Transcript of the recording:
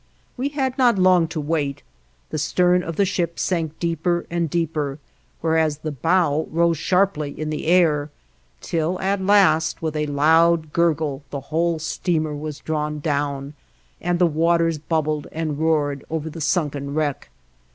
We had not long to wait. The stern of the ship sank deeper and deeper, whereas the bow rose sharply in the air, till at last with a loud gurgle the whole steamer was drawn down, and the waters bubbled and roared over the sunken wreck.